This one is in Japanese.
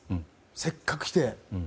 せっかく来て。